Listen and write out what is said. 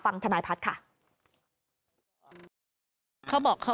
ฟังธนายพัฒน์ค่ะ